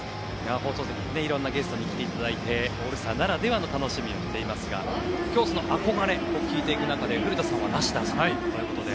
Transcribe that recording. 放送席にもいろんなゲストに来ていただいてオールスターならではの楽しみになっていますが今日、その憧れを聞いていく中で古田さんは梨田さんということで。